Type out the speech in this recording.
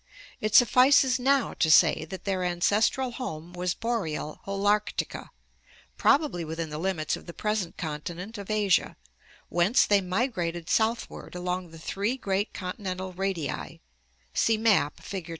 It suffices now to say that their ancestral home was boreal Holarctica, probably within the limits of the pres ent continent of Asia, whence they migrated southward along the three great continental radii (see map, Fig.